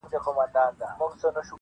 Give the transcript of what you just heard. o قاضي ډېر قهر نیولی دئ سړي ته,